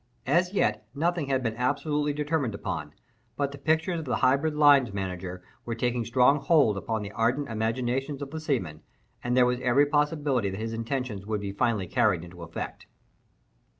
As yet, nothing had been absolutely determined upon; but the pictures of the hybrid line manager were taking strong hold upon the ardent imaginations of the seamen, and there was every possibility that his intentions would be finally carried into effect.